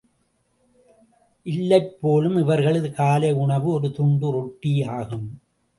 இல்லைபோலும் இவர்களது காலை உணவு ஒரு துண்டு ரொட்டி ஆகும்.